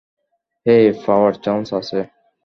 হেই, পাওয়ার চান্স আছে?